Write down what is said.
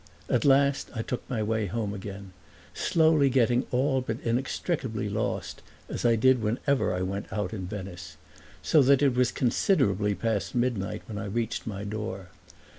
At last I took my way home again, slowly getting all but inextricably lost, as I did whenever I went out in Venice: so that it was considerably past midnight when I reached my door.